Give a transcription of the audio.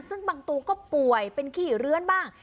ซึ่งบางตัวก็ป่วยเป็นขี้เลื้อนบ้าง